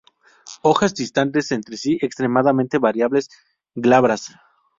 Hojas distantes entre sí, extremadamente variables, glabras.